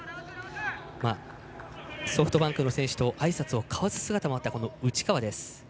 ソフトバンクの選手とあいさつを交わす姿もあった内川です。